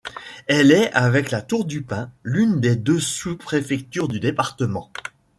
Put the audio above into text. Elle est avec La Tour-du-Pin, l'une des deux sous-préfectures du département.